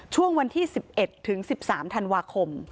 ช่วงวันที่๑๑ถึง๑๓ธันวาคม